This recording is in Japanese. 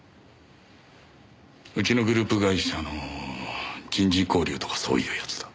うちのグループ会社の人事交流とかそういうやつだ。